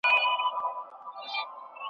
جنتي خوب چې په دوزخ کې وينې